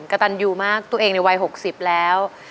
กระตันยูมากตัวเองในวัย๖๐แล้ว